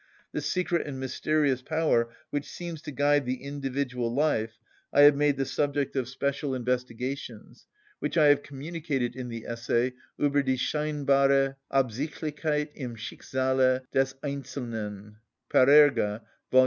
This secret and mysterious power which seems to guide the individual life I have made the subject of special investigations, which I have communicated in the essay, "Ueber die scheinbare Absichtlichkeit im Schicksale des Einzelnen" (Parerga, vol.